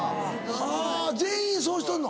はぁ全員そうしとんの？